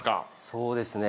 そうですね。